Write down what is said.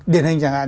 điển hình chẳng hạn